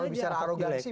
kalau misalnya arogan sih